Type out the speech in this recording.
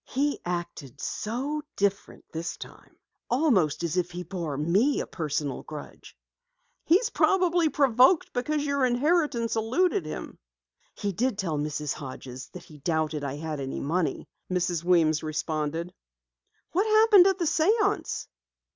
He acted so different this time almost as if he bore me a personal grudge." "He's probably provoked because your inheritance eluded him." "He did tell Mrs. Hodges that he doubted I had any money," Mrs. Weems responded. "What happened at the séance?"